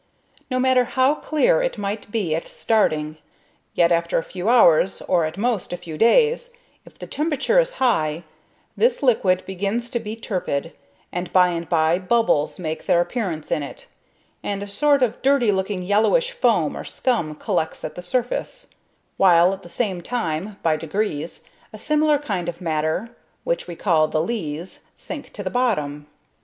No matter how clear it might be at starting, yet after a few hours, or at most a few days, if the temperature is high, this liquid begins to be turbid, and by and by bubbles make their appearance in it, and a sort of dirty looking yellowish foam or scum collects at the surface; while at the same time, by degrees, a similar kind of matter, which we call the "lees," sinks to the bottom.